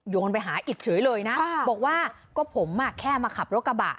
ไปหาอิดเฉยเลยนะบอกว่าก็ผมแค่มาขับรถกระบะ